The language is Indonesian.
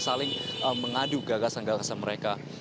saling mengadu gagasan gagasan mereka